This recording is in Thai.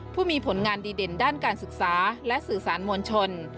ผู้มีผลงานดีเด่นด้านการศึกษาและสื่อสารมวลชน